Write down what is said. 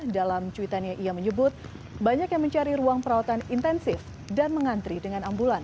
dalam cuitannya ia menyebut banyak yang mencari ruang perawatan intensif dan mengantri dengan ambulan